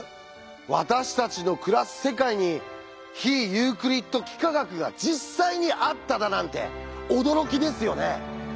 私たちの暮らす世界に非ユークリッド幾何学が実際にあっただなんて驚きですよね。